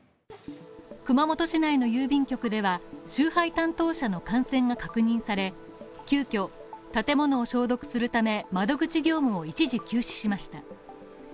熊本市内の郵便局では、集配担当者の感染が確認され、急遽、建物を消毒するため、窓口業務を一時休止しました。